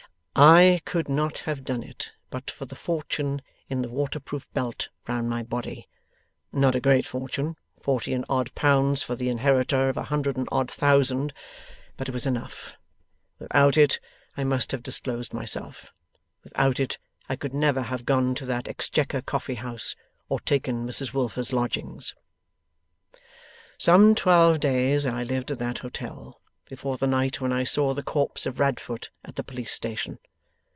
'I could not have done it, but for the fortune in the waterproof belt round my body. Not a great fortune, forty and odd pounds for the inheritor of a hundred and odd thousand! But it was enough. Without it I must have disclosed myself. Without it, I could never have gone to that Exchequer Coffee House, or taken Mrs Wilfer's lodgings. 'Some twelve days I lived at that hotel, before the night when I saw the corpse of Radfoot at the Police Station.